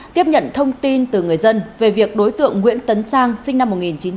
tiếp nhận thông tin từ người dân về việc đối tượng nguyễn tấn sang sinh năm một nghìn chín trăm tám mươi